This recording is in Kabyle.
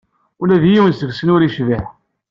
Ula d yiwen seg-sen ur yecbiḥ.